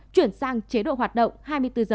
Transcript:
chuyển sang chế độ hoạt động hai mươi bốn h